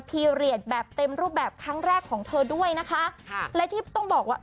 พีเรียสแบบเต็มรูปแบบครั้งแรกของเธอด้วยนะคะค่ะและที่ต้องบอกว่า